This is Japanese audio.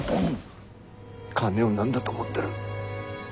金を何だと思ってる。